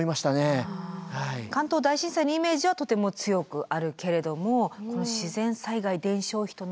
関東大震災のイメージはとても強くあるけれどもこの自然災害伝承碑となると。